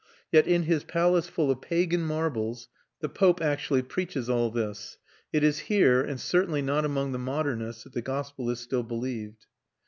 Yet in his palace full of pagan marbles the pope actually preaches all this. It is here, and certainly not among the modernists, that the gospel is still believed.